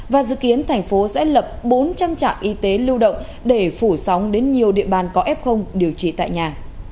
và dự kiến thành phố sẽ lập bốn trăm linh trạm y tế lưu động để phủ sóng đến nhiều địa bàn có f điều trị tại nhà